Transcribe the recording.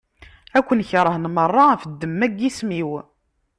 Ad ken-keṛhen meṛṛa ɣef ddemma n yisem-iw.